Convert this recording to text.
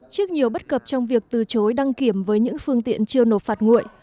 trước nhiều bất cập trong việc từ chối đăng kiểm với những phương tiện chưa nộp phạt nguội